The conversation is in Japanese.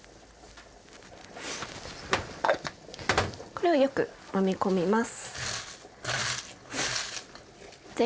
これをよくもみ込みます。